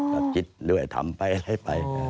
หลับจิตด้วยทำให้ไป